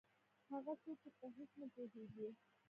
هغه څوک چې په هېڅ نه پوهېږي.